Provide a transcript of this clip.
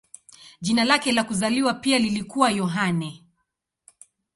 Jina lake la kuzaliwa pia lilikuwa Yohane.